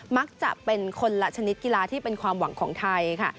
มักจะเป็นคนละชนิดกีฬาที่เป็นความหวังของไทยค่ะ